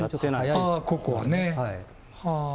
ああ、ここはね。